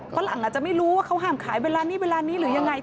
ฝรั่งอาจจะไม่รู้ว่าเขาห้ามขายเวลานี้เวลานี้หรือยังไง